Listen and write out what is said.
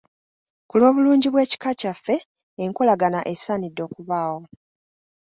Ku lw'obulungi bw'ekika kyaffe, enkolagana esaanidde okubaawo.